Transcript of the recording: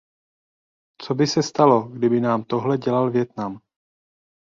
Co by se stalo, kdyby nám tohle dělal Vietnam?